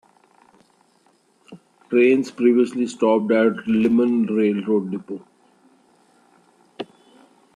Trains previously stopped at Limon Railroad Depot.